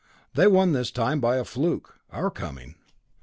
They won this time by a fluke our coming.